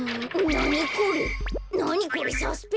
なにこれサスペンダー？